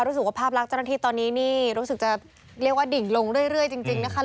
รู้สึกว่าภาพลักษณ์เจ้าหน้าที่ตอนนี้นี่รู้สึกจะเรียกว่าดิ่งลงเรื่อยจริงนะคะ